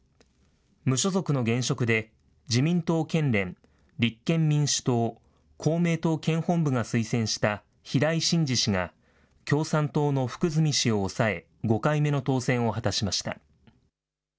無所属の現職で自民党県連、立憲民主党、公明党県本部が推薦した平井伸治氏が共産党の福住氏を抑え、５回目の当選を果たしました。